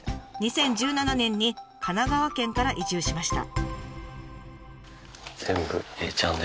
２０１７年に神奈川県から移住しました。